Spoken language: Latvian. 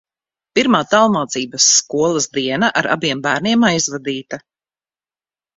Pirmā tālmācības skolas diena ar abiem bērniem aizvadīta.